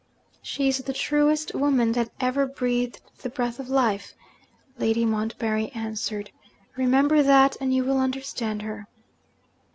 'She is the truest woman that ever breathed the breath of life,' Lady Montbarry answered. 'Remember that, and you will understand her.